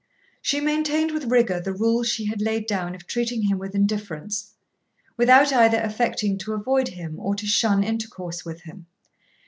She maintained with rigour the rule she had laid down of treating him with indifference, without either affecting to avoid him or to shun intercourse with him.